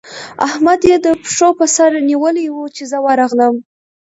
احمد يې د پښو پر سره نيولی وو؛ چې زه ورغلم.